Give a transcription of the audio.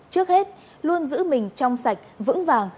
trước hết luôn giữ mình trong sạch vững vàng